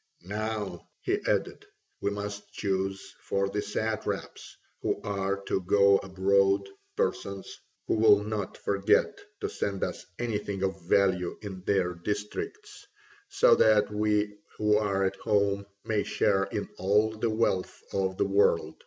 "Now," he added, "we must choose for the satraps who are to go abroad persons who will not forget to send us anything of value in their districts, so that we who are at home may share in all the wealth of the world.